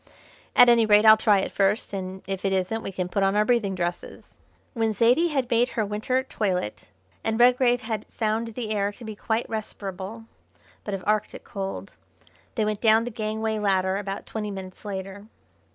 "At any rate, I'll try it first, and if it isn't we can put on our breathing dresses." When Zaidie had made her winter toilet, and Redgrave had found the air to be quite respirable, but of Arctic cold, they went down the gangway ladder about twenty minutes later.